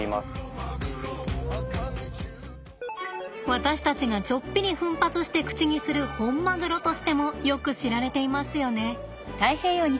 私たちがちょっぴり奮発して口にするホンマグロとしてもよく知られていますよね。